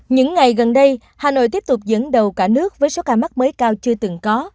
những ngày gần đây hà nội tiếp tục dẫn đầu cả nước với số ca mắc mới cao chưa từng có